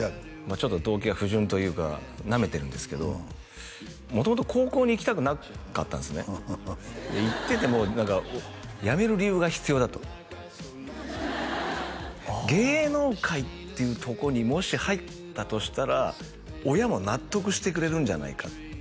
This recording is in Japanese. ちょっと動機が不純というかなめてるんですけど元々高校に行きたくなかったんですねで行ってても何か辞める理由が必要だと芸能界っていうとこにもし入ったとしたら親も納得してくれるんじゃないか